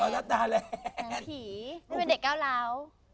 เป็นเด็กก้าวร้าว